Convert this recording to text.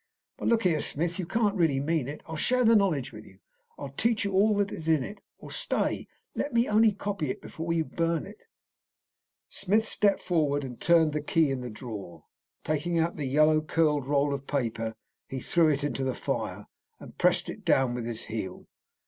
"But look here, Smith, you can't really mean it. I'll share the knowledge with you. I'll teach you all that is in it. Or, stay, let me only copy it before you burn it!" Smith stepped forward and turned the key in the drawer. Taking out the yellow, curled roll of paper, he threw it into the fire, and pressed it down with his heel.